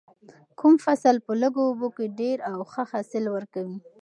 کوم فصل په لږو اوبو کې ډیر او ښه حاصل ورکوي؟